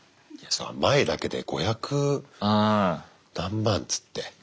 前だけで５００何万っつって。ね。